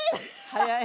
早い。